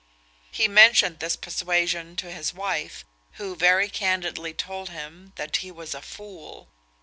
He mentioned this persuasion to his wife, who very candidly told him that he was a fool.